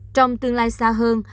trong tương lai xa hơn